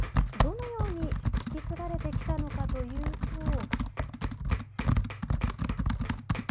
どのように引き継がれてきたのかというと。